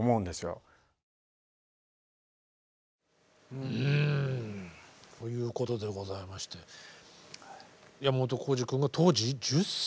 うんということでございまして山本耕史くんが当時１０歳？